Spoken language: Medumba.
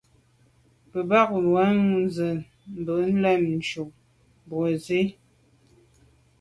Me ba we ze be me lem ju mbwe Nsi à.